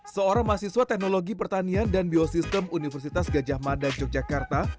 seorang mahasiswa teknologi pertanian dan biosistem universitas gajah mada yogyakarta